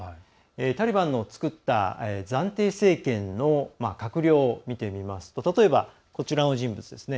タリバンの作った暫定政権の閣僚を見てみますと例えば、こちらの人物ですね。